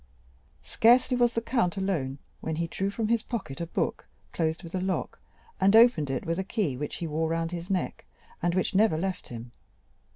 Scarcely was the count alone, when he drew from his pocket a book closed with a lock, and opened it with a key which he wore round his neck, and which never left him.